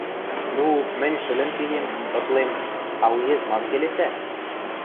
ну, мӹнь шӹлӹн кеем, ытлем, а уезд мам келесӓ?